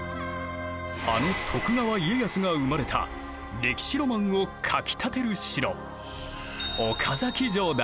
あの徳川家康が生まれた歴史ロマンをかきたてる城岡崎城だ。